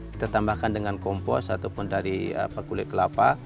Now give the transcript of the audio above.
kita tambahkan dengan kompos ataupun dari kulit kelapa